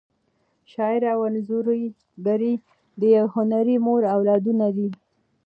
شاعر او انځورګر د یوې هنري مور اولادونه دي.